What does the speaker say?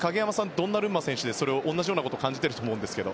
ドンナルンマ選手も同じようなことを感じていると思うんですが。